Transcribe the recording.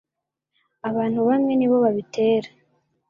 abantu bamwe nibo babitera?